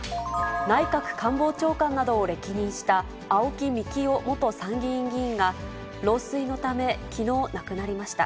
内閣官房長官などを歴任した青木幹雄元参議院議員が、老衰のため、きのう亡くなりました。